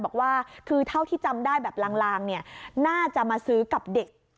บอกว่าคือเท่าที่จำได้แบบลางเนี่ยน่าจะมาซื้อกับเด็ก